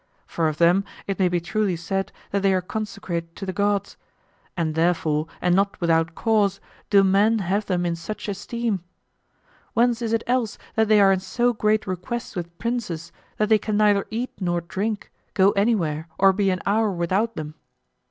For of them it may be truly said that they are consecrate to the gods, and therefore and not without cause do men have them in such esteem. Whence is it else that they are in so great request with princes that they can neither eat nor drink, go anywhere, or be an hour without them?